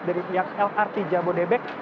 dari pihak lrt jabodebek